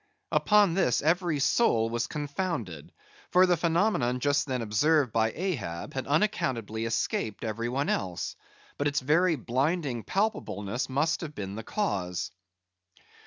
Upon this every soul was confounded; for the phenomenon just then observed by Ahab had unaccountably escaped every one else; but its very blinding palpableness must have been the cause.